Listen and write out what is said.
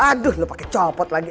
aduh lu pake copot lagi